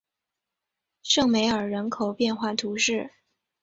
圣梅尔人口变化图示